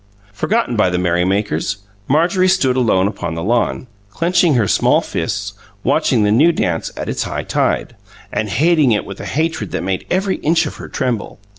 Forgotten by the merrymakers, Marjorie stood alone upon the lawn, clenching her small fists, watching the new dance at its high tide, and hating it with a hatred that made every inch of her tremble.